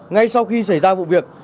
ngay sau khi xảy ra vụ việc